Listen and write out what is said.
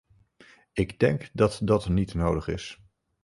Ik denk dat dat niet nodig is.